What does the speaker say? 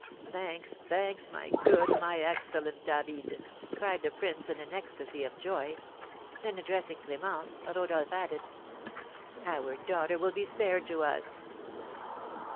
"Thanks, thanks, my good, my excellent David!" cried the prince, in an ecstasy of joy. Then addressing Clémence, Rodolph added, "Our daughter will be spared to us."